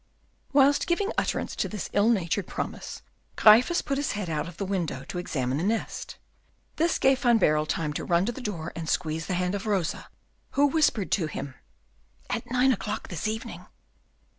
Whilst giving utterance to this ill natured promise, Gryphus put his head out of the window to examine the nest. This gave Van Baerle time to run to the door, and squeeze the hand of Rosa, who whispered to him, "At nine o'clock this evening."